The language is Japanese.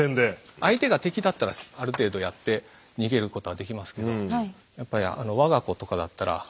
相手が敵だったらある程度やって逃げることはできますけどやっぱり我が子とかだったら。